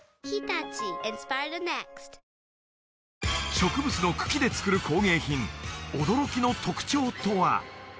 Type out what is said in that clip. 植物の茎で作る工芸品驚きの特徴とは？